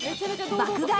爆買い